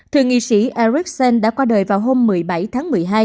thượng nghị sĩ arsen đã qua đời vào hôm một mươi bảy tháng một mươi hai